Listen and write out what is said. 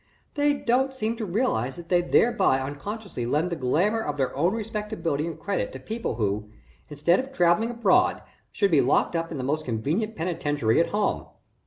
They don't seem to realize that they thereby unconsciously lend the glamour of their own respectability and credit to people who, instead of travelling abroad, should be locked up in the most convenient penitentiary at home.